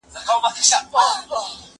زه له سهاره ليکلي پاڼي ترتيب کوم!؟